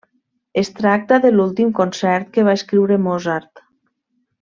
Es tracta de l'últim concert que va escriure Mozart.